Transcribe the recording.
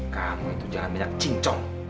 kamu itu jangan banyak cincong